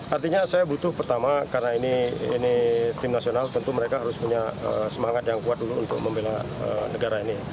artinya saya butuh pertama karena ini tim nasional tentu mereka harus punya semangat yang kuat dulu untuk membela negara ini